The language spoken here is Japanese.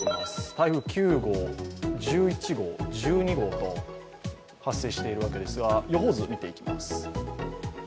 台風９号、１１号、１２号と発生しているわけですが予報図を見ていきます。